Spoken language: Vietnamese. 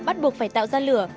bắt buộc phải tạo ra lửa